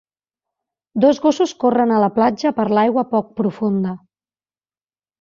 Dos gossos corren a la platja per l'aigua poc profunda.